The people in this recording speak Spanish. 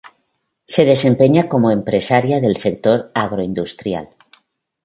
Se desempeña como empresaria del sector Agroindustrial.